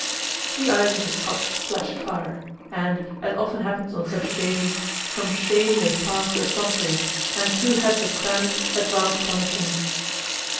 The eyes of the Scotch flashed fire; and, as often happens on such occasions, from shame they passed to effrontery and two heads of clans advanced upon the king.